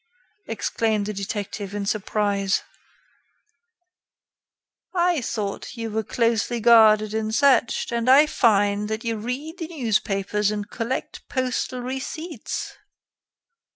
exclaimed the detective, in surprise, "I thought you were closely guarded and searched, and I find that you read the newspapers and collect postal receipts."